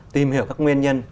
tìm hiểu các nguyên nhân